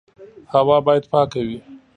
هوا باید پاکه وي.